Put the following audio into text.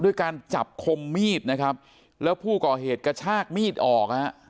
ด้วยการจับคมมีดนะครับแล้วผู้ก่อเหตุกระชากมีดออกฮะ